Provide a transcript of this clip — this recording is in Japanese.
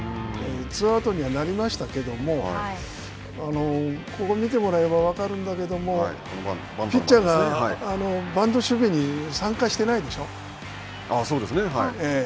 ツーアウトにはなりましたけども、ここを見てもらえば分かるんだけれどもピッチャーがバント守備に参加しそうですね。